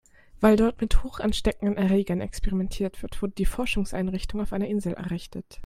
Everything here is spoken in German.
Weil dort mit hochansteckenden Erregern experimentiert wird, wurde die Forschungseinrichtung auf einer Insel errichtet.